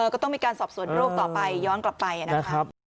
ก็ต้องมีการสอบสวนโรคต่อไปย้อนกลับไปนะครับ